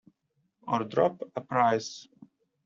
Or drop a prize.